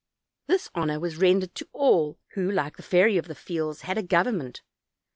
This honor was rendered to all who, like the Fairy of the Fields, had a government.